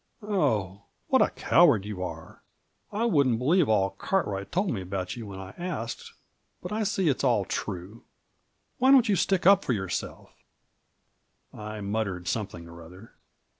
" Oh 1 what a coward you are. I wouldn't be lieve all Cartwright told me about you when I asked — but I see it's all true. Why don't you stick up for your self?" I muttered something or other.